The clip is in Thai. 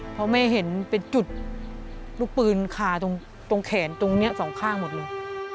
เพราะแม่เห็นเป็นจุดลูกปืนคาตรงแขนตรงนี้สองข้างหมดเลย